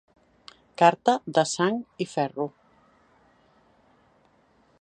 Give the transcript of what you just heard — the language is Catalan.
Carta de sang i ferro.